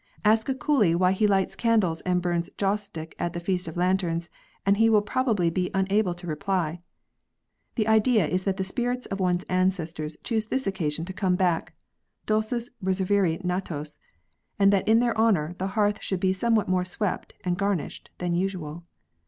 Ask a coolie why he lights candles and burns joss stick at the Feast of Lanterns, and he will probably be unable to reply. The idea is that the spirits of one's ancestors choose this occasion to come back dulces revisere natos, and that in their honour the hearth should be somewhat more swept and garnished than usual.